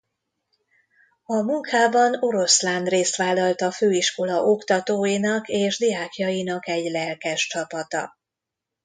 A munkában oroszlánrészt vállalt a főiskola oktatóinak és diákjainak egy lelkes csapata.